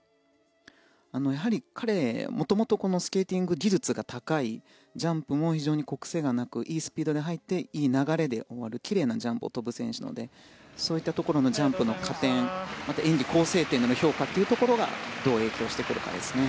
彼はもともとスケーティング技術が高くジャンプも非常に癖がなくいいスピードで入っていい流れで終わるきれいなジャンプを跳ぶ選手なのでそういったところのジャンプの加点また演技構成点での評価がどう影響してくるかですね。